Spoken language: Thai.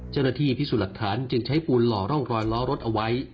เจ้าหน้าที่พิสูจน์หลักฐานจึงใช้ปูนหล่อร่องรอยล้อรถเอาไว้